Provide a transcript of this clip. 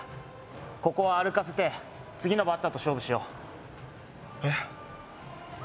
ここは歩かせて次のバッターと勝負しようえっ？